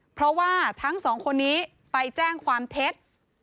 เพราะว่าทั้งสองคนนี้ไปแจ้งความเท็จ